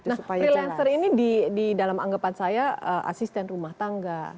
nah freelancer ini di dalam anggapan saya asisten rumah tangga